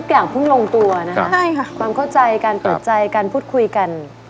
ก็คุณต้องโครงตัวนะค่ะความเข้าใจกันบริลัยกันพูดคุยกัน